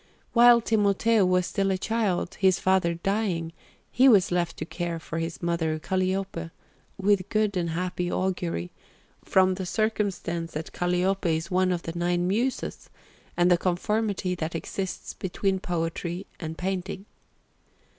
While Timoteo was still a child, his father dying, he was left to the care of his mother Calliope, with good and happy augury, from the circumstance that Calliope is one of the Nine Muses, and the conformity that exists between poetry and painting.